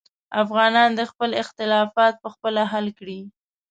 افغانان دې خپل اختلافات پخپله حل کړي.